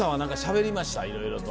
いろいろと。